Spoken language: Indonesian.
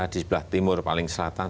di sebelah timur paling selatan